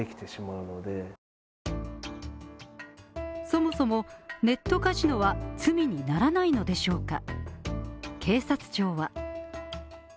そもそもネットカジノは罪にならないのでしょうか？